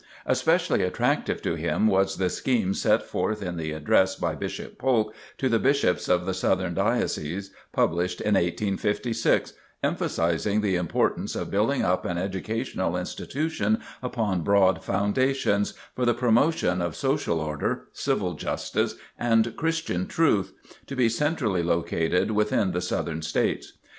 Especially attractive to him was the scheme set forth in the address by Bishop Polk to the Bishops of the Southern Dioceses, published in 1856, emphasizing the importance of building up an educational institution upon broad foundations, for the promotion of social order, civil justice, and Christian truth; to be centrally located within the Southern States.